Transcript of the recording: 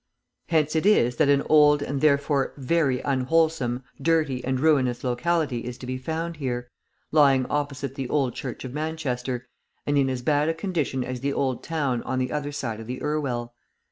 Hence it is that an old and therefore very unwholesome, dirty, and ruinous locality is to be found here, lying opposite the Old Church of Manchester, and in as bad a condition as the Old Town on the other side of the Irwell.